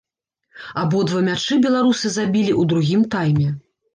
Абодва мячы беларусы забілі ў другім тайме.